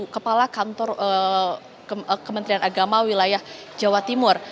kepala kantor kementerian agama wilayah jawa timur